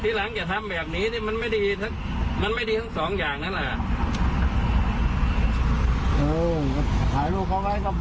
ทีหลังจะทำแบบนี้นี่มันไม่ดีมันไม่ดีทั้งสองอย่างนั้นล่ะ